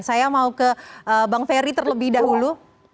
saya mau ke bang ferry terlebih dahulu